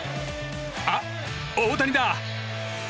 あ、大谷だ！